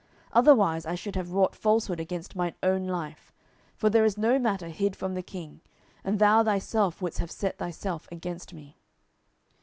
10:018:013 Otherwise I should have wrought falsehood against mine own life: for there is no matter hid from the king, and thou thyself wouldest have set thyself against me.